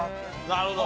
なるほど。